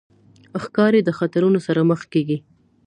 ښکاري د خطرونو سره مخ کېږي.